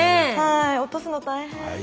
落とすの大変。